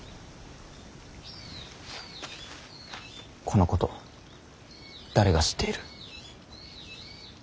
このこと誰が知っている。